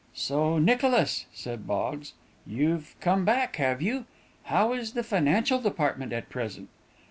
"So Nicholas," said Boggs, "you've come back, have you? How is the financial department at present?"